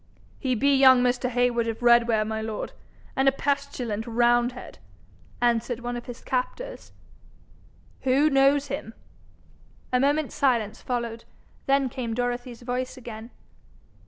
'He be young Mr. Heywood of Redware, my lord, and a pestilent roundhead,' answered one of his captors. 'Who knows him?' A moment's silence followed. Then came Dorothy's voice again.